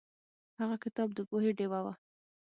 هغه کتاب د پوهې ډیوه وه.